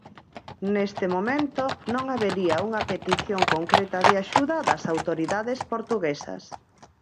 Neste momento non habería unha petición concreta de axuda das autoridades portuguesas.